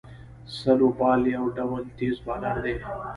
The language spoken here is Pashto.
سلو بال یو ډول تېز بالر دئ.